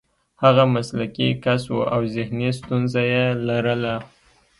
هغه مسلکي کس و او ذهني ستونزه یې لرله